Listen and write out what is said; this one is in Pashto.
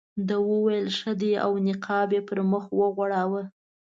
ده وویل ښه دی او نقاب یې پر مخ وغوړاوه.